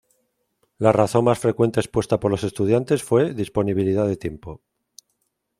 La razón más frecuente expuesta por los estudiantes fue 'disponibilidad de tiempo'.